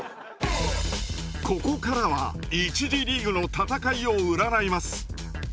ここからは１次リーグの戦いを占います。